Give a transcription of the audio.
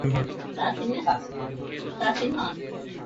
যা থাকে কপালে-যাহা বাহান্ন তাহা তিপ্লান্না!